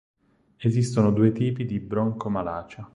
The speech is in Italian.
Esistono due tipi di broncomalacia.